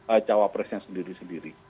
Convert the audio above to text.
atau persen sendiri sendiri